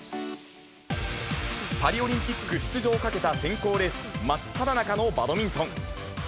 パリオリンピック出場をかけた選考レース真っただ中のバドミントン。